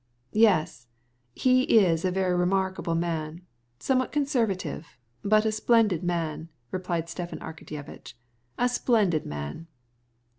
"Yes, he's a very remarkable man; rather a conservative, but a splendid man," observed Stepan Arkadyevitch, "a splendid man."